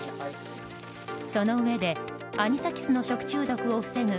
そのうえでアニサキスの食中毒を防ぐ